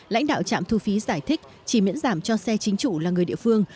lãnh đạo trạm thu phí giải thích chỉ miễn giảm cho xe chính chủ là người địa phương